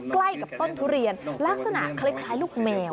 ใกล้กับต้นทุเรียนลักษณะคล้ายลูกแมว